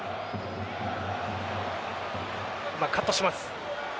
カットします。